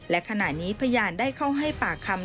และขณะนี้พยานได้เข้าให้ปากคำ